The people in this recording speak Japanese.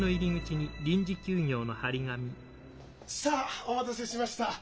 さあお待たせしました。